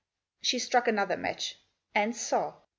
She struck another match, and saw.